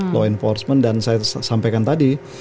law enforcement dan saya sampaikan tadi